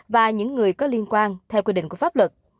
và những người có liên quan theo quy định của pháp luật